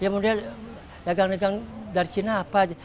ya mudah mudahan dagang dagang dari china apa